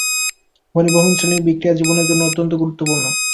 ঘনীভবন শ্রেণীর বিক্রিয়া জীবনের জন্য অত্যন্ত গুরুত্বপূর্ণ।